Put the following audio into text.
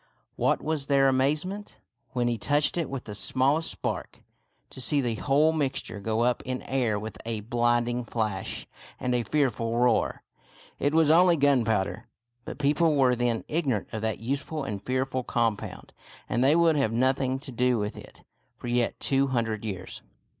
What was their amazement, when he touched it with the smallest 67 68 THIRTY MORE FAMOUS STORIES spark, to see the whole mixture go up in air with a blinding flash and a fearful roar ! It was only gun piowder ; but people were then ignorant of that useful and fearful compound, and they would have nothing to do with it for yet two hundred years.